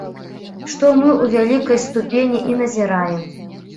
Што мы ў вялікай ступені і назіраем.